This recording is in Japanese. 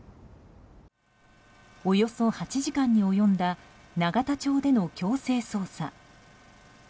およそ８時間に及んだ永田町での強制捜査。